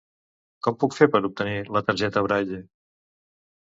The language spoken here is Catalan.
Com puc fer per obtenir la targeta Braille?